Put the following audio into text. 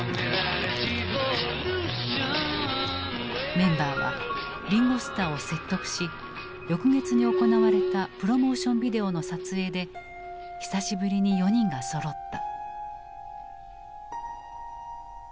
メンバーはリンゴ・スターを説得し翌月に行われたプロモーション・ビデオの撮影で久しぶりに４人がそろった。